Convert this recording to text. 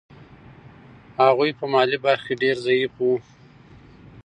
هغوی په مالي برخه کې ډېر ضعیف وو.